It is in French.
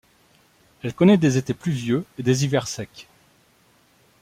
Elle connaît des étés pluvieux et des hivers secs.